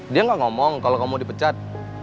dia gak ngomong kalau kamu dipecat